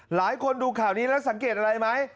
หลายคนดูข่าวนี้แล้วสังเกตอะไรไหม